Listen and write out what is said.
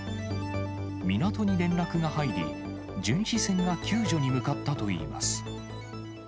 港に連絡が入り、巡視船が救助に向かったといいます。